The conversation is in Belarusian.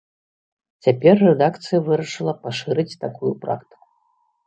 Цяпер рэдакцыя вырашыла пашырыць такую практыку.